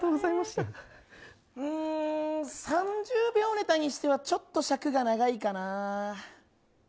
んー、３０秒ネタとしてはちょっと尺が長いかな。